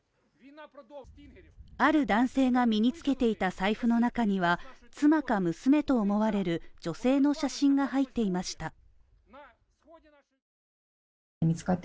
ある男性が身に着けていた財布の中には妻か娘と思われる女性の写真が入っていました